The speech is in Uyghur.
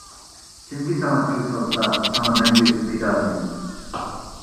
كىمكى ساڭا تىل سالسا، ساڭا مەڭگۈ پىدا جېنىم.